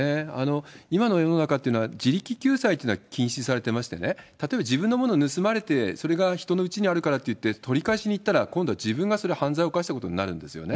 今の世の中っていうのは、自力救済っていうのは禁止されてましてね、例えば自分のものを盗まれて、それが人のうちにあるからっていって取り返しに行ったら、今度、自分がそれ、犯罪を犯したことになるんですよね。